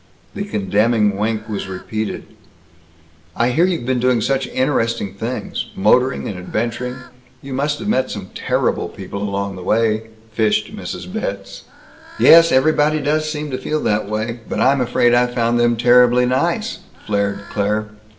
The condemning wink was repeated. "I hear you've been doing such interesting things motoring and adventuring you must have met some terrible people along the way," fished Mrs. Betz. "Yes, everybody does seem to feel that way. But I'm afraid I found them terribly nice," flared Claire.